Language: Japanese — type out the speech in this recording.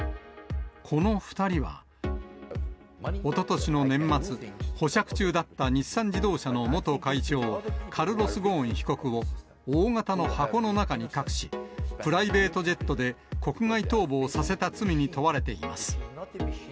この２人は、おととしの年末、保釈中だった日産自動車の元会長、カルロス・ゴーン被告を、大形の箱の中に隠し、プライベートジェットで国外逃亡させた罪に問われています。